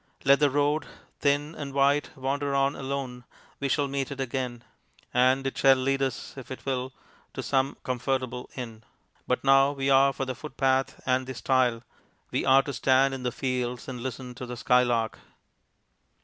Let the road, thin and white, wander on alone; we shall meet it again, and it shall lead us if it will to some comfortable inn; but now we are for the footpath and the stile we are to stand in the fields and listen to the skylark.